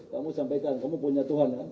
kamu sampaikan kamu punya tuhan kan